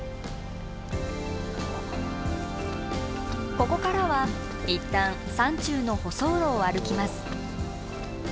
ここからは一旦山中の舗装路を歩きます。